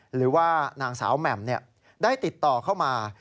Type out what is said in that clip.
หรือว่านางสาวแหม่มได้ติดต่อเข้ามา